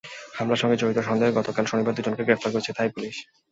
হামলার সঙ্গে জড়িত সন্দেহে গতকাল শনিবার দুজনকে গ্রেপ্তার করেছে থাই পুলিশ।